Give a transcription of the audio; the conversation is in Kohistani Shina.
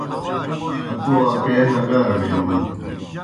اکو اکے ہگارڑ یون